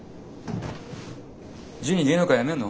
ジュニ芸能界やめんの？